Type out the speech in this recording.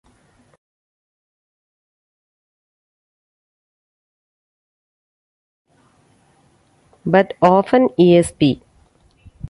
But often esp.